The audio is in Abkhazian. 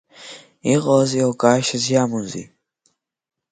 Иҟалаз еилкаашьас иамоузеи?